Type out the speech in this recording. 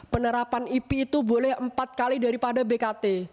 penerapan ip itu boleh empat kali daripada bkt